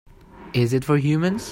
Is it for humans?